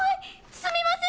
すみません！